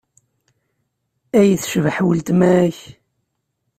Ay tecbeḥ weltma-k!